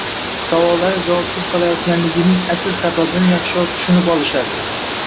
Savollari javobsiz qolayotganligining asl sababini yaxshiroq tushunib olishadi